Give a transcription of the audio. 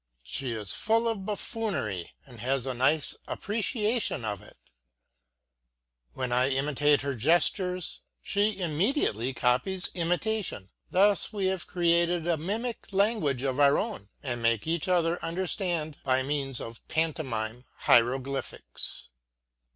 She is full of buffoonery and has a nice appreciation of it. When I imitate her gestures, she immediately copies my imitation; thus we have created a mimic language of our own and make each other understand by means of pantomime hieroglyphics.